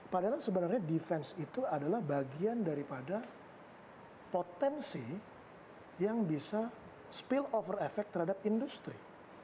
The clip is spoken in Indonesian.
padahal sebenarnya defense itu adalah bagian daripada potensi yang bisa spill over effect terhadap industri